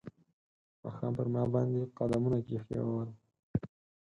ماښام پر ما باندې قدمونه کښېښول